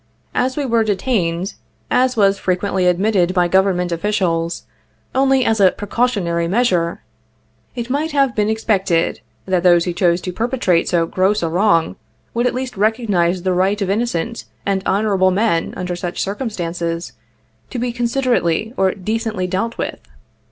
As we were detained, as was frequently admitted by Govern ment officials, only as a precautionary measure, it might have been expected that those who chose to perpetrate so gross a wrong, would at least recognize the right of inno cent and honorable men under such circumstances to be considerately or decently dealt with.